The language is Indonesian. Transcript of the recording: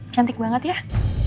cantik banget yah